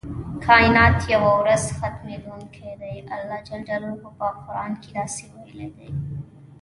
کائنات یوه ورځ ختمیدونکي دي الله ج په قران کې داسې ویلي دی.